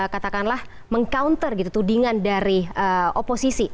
katakanlah meng counter gitu tudingan dari oposisi